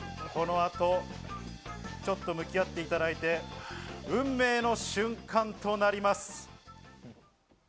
ちょっと向き合っていただいて、運命の瞬間となります。